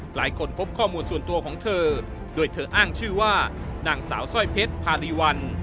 พบข้อมูลส่วนตัวของเธอโดยเธออ้างชื่อว่านางสาวสร้อยเพชรพารีวัน